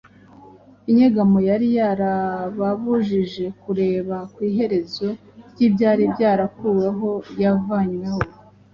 Inyegamo yari yarababujije kureba ku iherezo ry’ibyari byarakuweho yavanweho,